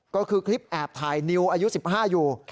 ก็คือคลิปแอบถ่ายนิวอายุ๑๕อยู่